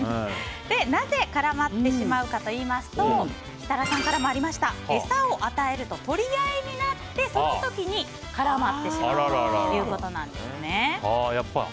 なぜ絡まってしまうかというと設楽さんからもありました餌を与えると取り合いになってその時に絡まってしまったということなんですね。